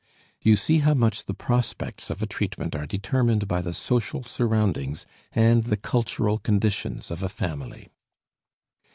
You see how much the prospects of a treatment are determined by the social surroundings and the cultural conditions of a family.